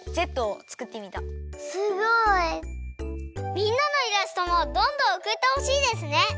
みんなのイラストもどんどんおくってほしいですね！